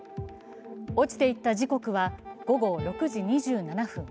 落ちていった時刻は午後６時２７分。